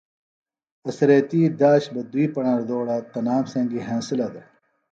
اڅھریتی داش بہ دوئی پݨردوڑہ تنام سنگیۡ ہینسِلہ ہِنہ